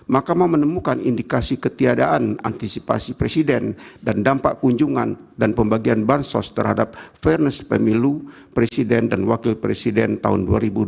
makamah menemukan indikasi ketiadaan antisipasi presiden dan dampak kunjungan dan pembagian bansos terhadap fairness pemilu presiden dan wakil presiden tahun dua ribu dua puluh